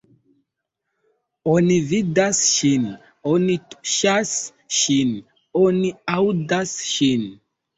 Oni vidas ŝin, oni tuŝas ŝin, oni aŭdas ŝin.